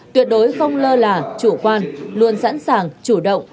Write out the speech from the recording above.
tuyệt đối không lơ là chủ quan luôn sẵn sàng chủ động